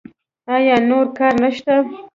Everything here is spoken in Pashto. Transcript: ایا نور کار نشته؟